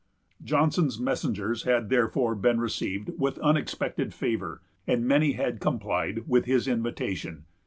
Johnson's messengers had therefore been received with unexpected favor, and many had complied with his invitation.